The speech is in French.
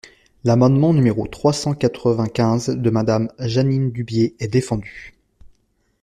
L’amendement numéro trois cent quatre-vingt-quinze de Madame Jeanine Dubié est défendu.